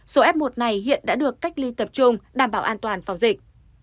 số f một này hiện đã được cách ly tập trung đảm bảo an toàn phòng dịch